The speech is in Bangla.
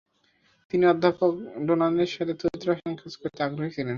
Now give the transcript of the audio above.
তিনি অধ্যাপক ডোনানের সাথে তড়িৎ রসায়নে কাজ করতে আগ্রহী ছিলেন।